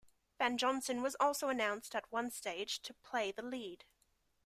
Van Johnson was also announced at one stage to play the lead.